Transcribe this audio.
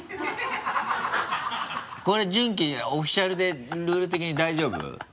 これジュンキオフィシャルでルール的に大丈夫？